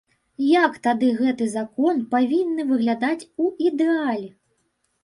Як тады гэты закон павінны выглядаць у ідэале?